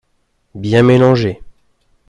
Bien mélanger